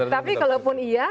tapi kalau pun iya